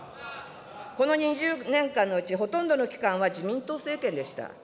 この２０年間のうち、ほとんどは自民党政権でした。